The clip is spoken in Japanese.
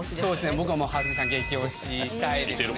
僕はもう蓮見さん激オシしたいですね